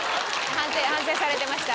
反省されてました。